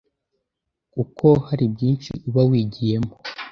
kuko hari byinshi uba wigiyemo